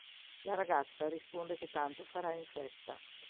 La ragazza risponde che tanto farà in fretta.